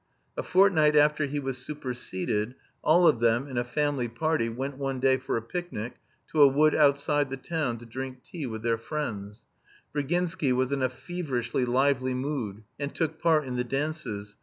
A fortnight after he was superseded, all of them, in a "family party," went one day for a picnic to a wood outside the town to drink tea with their friends. Virginsky was in a feverishly lively mood and took part in the dances.